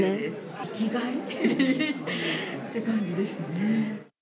生きがいって感じですね。